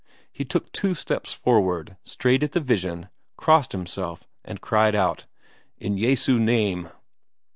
He took two steps forward straight at the vision, crossed himself, and cried out: "In Jesu name!"